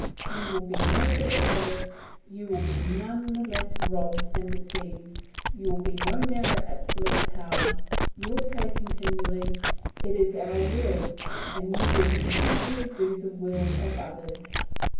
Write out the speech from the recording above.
You will be no better served, you will be none the less robbed and deceived, you will be no nearer absolute power. You will say continually, "It is our will," and you will continually do the will of others.